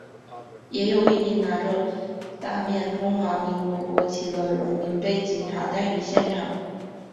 也有一名拿着大面中华民国国旗的荣民被警察带离现场。